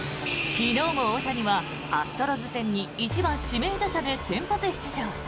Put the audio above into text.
昨日も大谷はアストロズ戦に１番指名打者で先発出場。